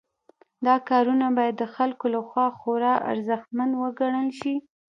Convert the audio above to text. دا کارونه باید د خلکو لخوا خورا ارزښتمن وګڼل شي.